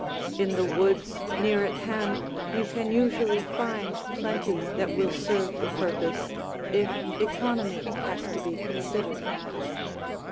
In the woods near at hand you can usually find plenty that will serve the purpose, if economy has to be considered.